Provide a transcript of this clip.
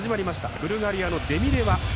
ブルガリアのデミレワ。